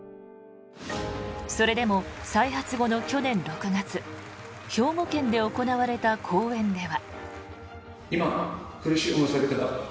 それでも再発後の去年６月兵庫県で行われた講演では。